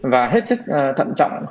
và hết sức thận trọng